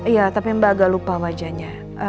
iya tapi mbak agak lupa wajahnya